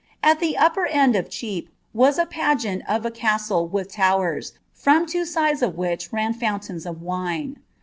At the upper end of Chepe was a pageant of a caette with ram, from two sides of which ran fountains of wine.